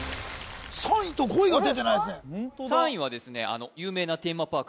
３位と５位が出てないですね